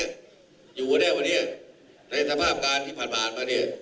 อยู่วันหน้าวันหน้าในสภาพการณ์ที่ผ่านมานี้